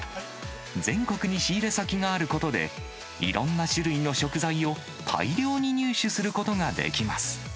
全国に仕入れ先があることで、いろんな種類の食材を大量に入手することができます。